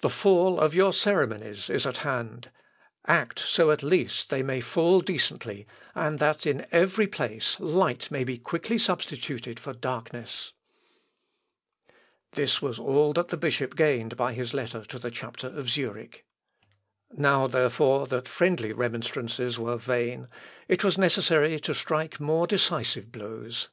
The fall of your ceremonies is at hand; act so at least that they may fall decently, and that in every place light may be quickly substituted for darkness." In umbrarum locum, lux quam ocissime inducatur. (Zw. Op. iii, 69.) This was all that the bishop gained by his letter to the chapter of Zurich. Now, therefore, that friendly remonstrances were vain, it was necessary to strike more decisive blows.